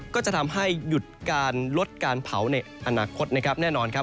ก็จะทำให้หยุดการลดการเผาในอนาคตนะครับแน่นอนครับ